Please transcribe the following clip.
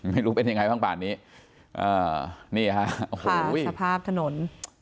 นี่ไงข้างผ่านนี้นี่ฮะสภาพถนน